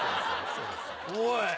おい。